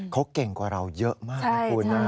เขาเก่งกว่าเราเยอะมากนะคุณนะ